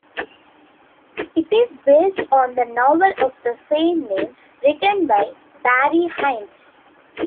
It is based on the novel of the same name, written by Barry Hines.